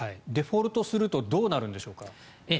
デフォルトするとどうなるんでしょうか。